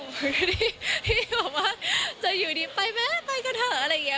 พี่บอกว่าจะอยู่นี่ไปมั้ย